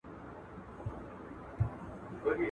پلار پرکور نسته، د موره حيا نه کېږي.